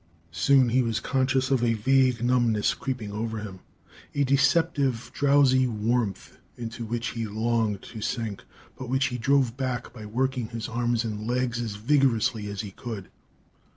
Soon he was conscious of a vague numbness creeping over him, a deceptive, drowsy warmth into which he longed to sink, but which he drove back by working his arms and legs as vigorously as he could.